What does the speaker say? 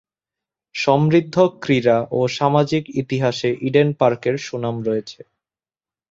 সমৃদ্ধ ক্রীড়া ও সামাজিক ইতিহাসে ইডেন পার্কের সুনাম রয়েছে।